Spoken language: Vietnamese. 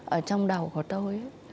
ở trong đầu của tôi